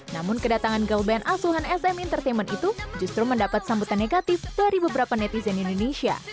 namun kedatangan girl band asuhan sm entertainment itu justru mendapat sambutan negatif dari beberapa netizen indonesia